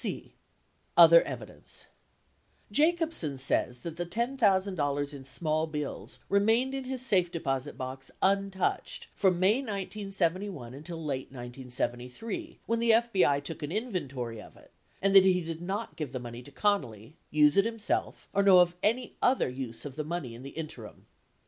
c. Other evidence Jacobsen says that the $10,000 in small bills remained in his safe deposit box untouched from May 1971 until late 1973 when the FBI took an inventory of it and that he did not give the money to Connally, use it himself, or know of any other use of the money in the interim.